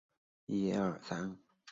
利尼翁河畔勒尚邦。